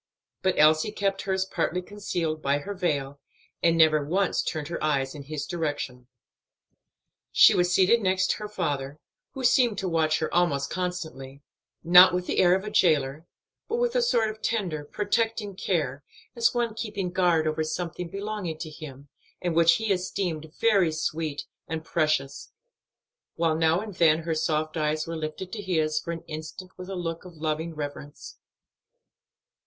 But Elsie kept hers partly concealed by her veil, and never once turned her eyes in his direction. She was seated next her father, who seemed to watch her almost constantly not with the air of a jailer, but with a sort of tender, protecting care, as one keeping guard over something belonging to him, and which he esteemed very sweet and precious, while now and then her soft eyes were lifted to his for an instant with a look of loving reverence.